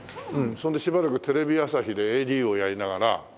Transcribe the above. そんでしばらくテレビ朝日でＡＤをやりながら。